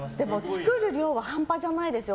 作る量は半端じゃないですよ。